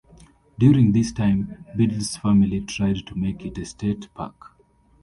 During this time, Biddle's family tried to make it a state park.